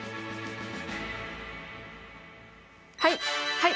はい。